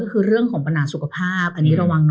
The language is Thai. ก็คือเรื่องของปัญหาสุขภาพอันนี้ระวังนะ